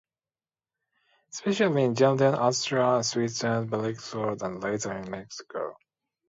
Especially in Germany, Austria, Switzerland, Benelux and later in Mexico.